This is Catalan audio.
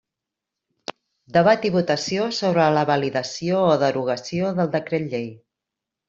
Debat i votació sobre la validació o derogació del decret llei.